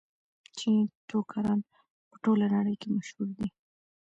چیني ټوکران په ټوله نړۍ کې مشهور دي.